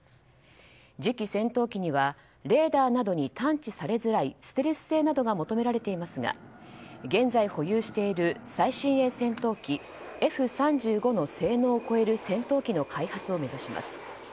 次期戦闘機にはレーダーなどに探知されづらいステルス性などが求められていますが現在、保有している最新鋭戦闘機Ｆ３５の性能を超える戦闘機の開発を目指します。